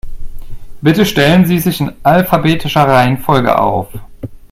Bitte stellen Sie sich in alphabetischer Reihenfolge auf.